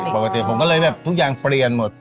ปกติผมก็เลยแบบทุกอย่างเปลี่ยนหมด